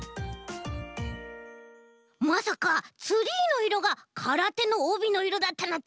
まさかツリーのいろがからてのおびのいろだったなんて